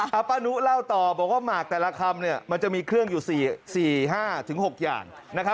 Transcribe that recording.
เอาป้านุเล่าต่อบอกว่าหมากแต่ละคำมันจะมีเครื่องอยู่๔๕๖อย่าง